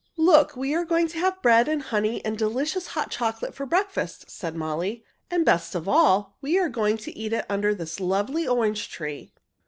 "Look! We are going to have bread and honey and delicious hot chocolate for breakfast," said Molly. "And best of all, we are going to eat it under this lovely orange tree."